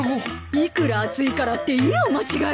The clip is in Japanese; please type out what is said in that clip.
いくら暑いからって家を間違えるなんて。